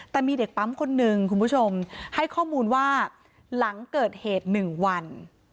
แต่มีเด็กปั๊มคนหนึ่งคุณผู้ชมให้ข้อมูลว่าหลังเกิดเหตุ๑วัน